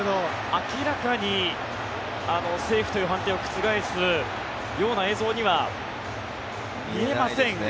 明らかにセーフという判定を覆すような映像には見えませんが。